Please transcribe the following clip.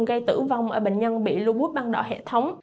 gây tử vong ở bệnh nhân bị robot băng đỏ hệ thống